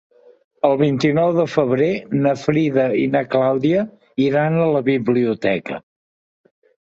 El vint-i-nou de febrer na Frida i na Clàudia iran a la biblioteca.